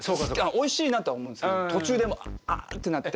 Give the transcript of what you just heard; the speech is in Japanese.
おいしいなとは思うんですけど途中でもう「ああ」ってなって。